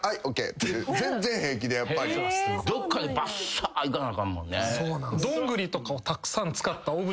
どっかでバッサーいかなあかんもんね。